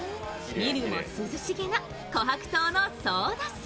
見るも涼しげな琥珀糖のソーダ水。